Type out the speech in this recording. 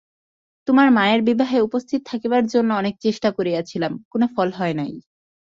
তোমার মায়ের বিবাহে উপস্থিত থাকিবার জন্য অনেক চেষ্টা করিয়াছিলাম, কোনো ফল হয় নাই।